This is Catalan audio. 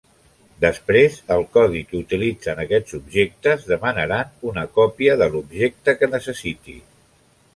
Després, el codi que utilitzen aquests objectes demanaran una còpia de l'objecte que necessiti.